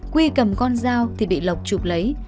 quy cầm con dao thì bị lộc chụp lấy